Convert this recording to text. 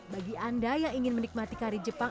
bagi anda yang ingin menikmati kari jepang